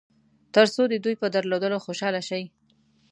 تر څو د دوی په درلودلو خوشاله شئ.